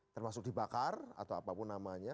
termasuk dibakar atau apapun namanya